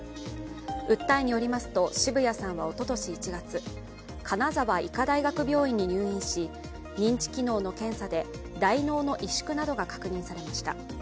訴えによりますと、澁谷さんは一昨年１月、金沢医科大学病院に入院し、認知機能の検査で大脳の萎縮などが確認されました。